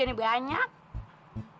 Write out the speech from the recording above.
yang namanya cuciannya banyak